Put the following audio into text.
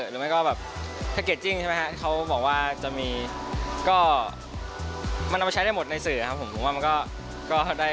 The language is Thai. หรือแบบแพ็กเกจจิ้งใช่ไหมครับ